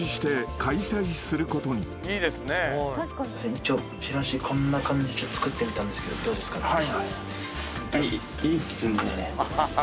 一応チラシこんな感じ作ってみたんですけどどうですかね？